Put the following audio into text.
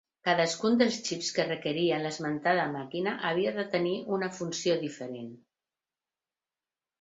Cadascun dels xips que requeria l'esmentada màquina havia de tenir una funció diferent.